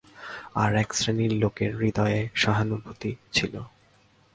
আর এক শ্রেণীর লোকের হৃদয়ে সহানুভূতি ছিল।